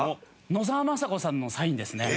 野沢雅子さんのサインですね。